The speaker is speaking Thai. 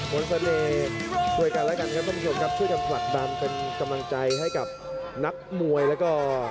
โนญเสรต่วยกันแล้วกันนะครับมีงห่วง